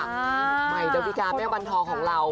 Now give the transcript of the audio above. ไม่เหนียววิกาค์แม่วัณฑองของเรา